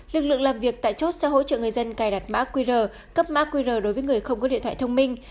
lực lượng làm việc tại chốt sẽ hỗ trợ người dân cài đặt mã qr cấp mã qr đối với người không có điện thoại thông minh